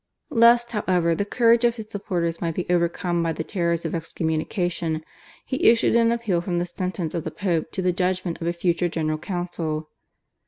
Lest, however, the courage of his supporters might be overcome by the terrors of excommunication, he issued an appeal from the sentence of the Pope to the judgment of a future General Council.